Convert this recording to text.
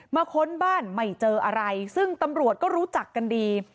ค้นบ้านไม่เจออะไรซึ่งตำรวจก็รู้จักกันดี